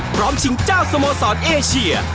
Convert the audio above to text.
ชิงเจ้าสโมสรเอเชีย